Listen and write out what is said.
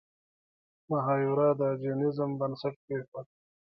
مهایورا د جینیزم بنسټ کیښود.